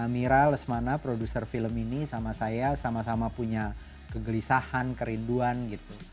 mira lesmana produser film ini sama saya sama sama punya kegelisahan kerinduan gitu